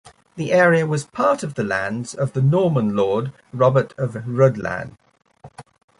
The area was part of the lands of the Norman lord Robert of Rhuddlan.